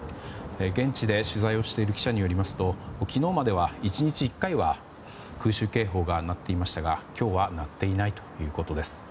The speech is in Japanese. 現地で取材をしている記者によりますと昨日までは１日１回は空襲警報が鳴っていましたが今日は鳴っていないということです。